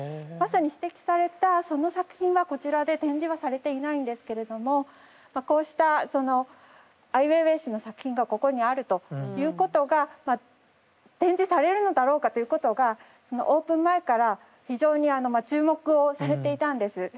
まさに指摘されたその作品はこちらで展示はされていないんですけれどもこうしたそのアイウェイウェイ氏の作品がここにあるということが展示されるのだろうかということがオープン前から非常にあのまあ注目をされていたんです。